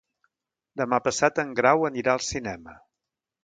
Demà passat en Grau anirà al cinema.